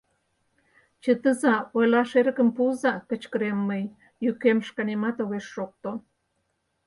— Чытыза, ойлаш эрыкым пуыза! — кычкырем мый, йӱкем шканемат огеш шокто.